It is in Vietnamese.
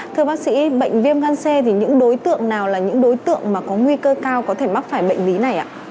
thưa bác sĩ bệnh viêm gan c thì những đối tượng nào là những đối tượng mà có nguy cơ cao có thể mắc phải bệnh lý này ạ